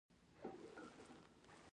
یادونه : د پورته تعریف اساسی نقاط